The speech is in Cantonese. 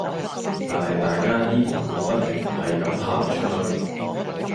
但係大家依然會不斷係咁行出去